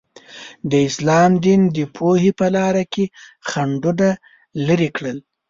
د اسلام دین د پوهې په لاره کې خنډونه لرې کړل.